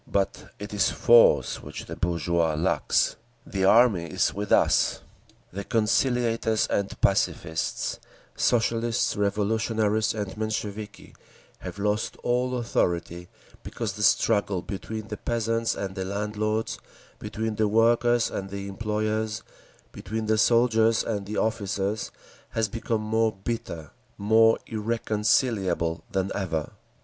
But it is force which the bourgeoisie lacks…. The Army is with us. The conciliators and pacifists, Socialist Revolutionaries and Mensheviki, have lost all authority—because the struggle between the peasants and the landlords, between the workers and the employers, between the soldiers and the officers, has become more bitter, more irreconcilable than ever.